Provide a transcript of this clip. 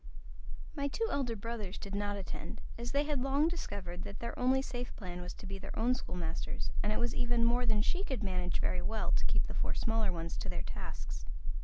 My two elder brothers did not attend, as they had long discovered that their only safe plan was to be their own schoolmasters, and it was even more than she could manage very well to keep the four smaller ones to their tasks.